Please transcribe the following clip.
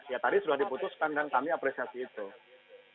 ya tadi sudah diputuskan dan kami apresiasi itu